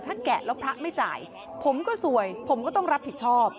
ถ้าแกะแล้วพระไม่จ่ายผมก็สวยผมก็ต้องรับผิดชอบ